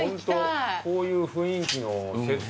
こういう雰囲気のセット。